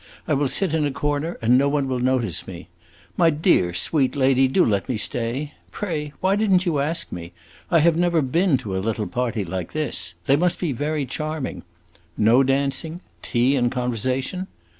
I will sit in a corner and no one will notice me. My dear, sweet lady, do let me stay. Pray, why did n't you ask me? I never have been to a little party like this. They must be very charming. No dancing tea and conversation?